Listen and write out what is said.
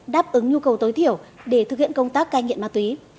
đáp ứng nhu cầu tối thiểu để thực hiện công tác cai nghiện ma túy